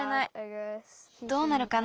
どうなるかな。